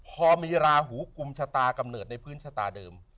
พอมีราหูกุมชะตากำเนิดในพื้นชะตาเดิม